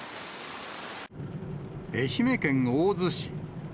愛媛県大洲市。